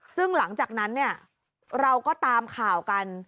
ซึ่งหลังจากนั้นเนี่ยเราก็ตามข่าวกัน